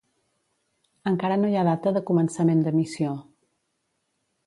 Encara no hi ha data de començament d'emissió.